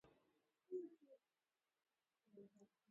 ماشومان خوشحاله شول.